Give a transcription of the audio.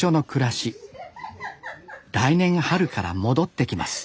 来年春から戻ってきます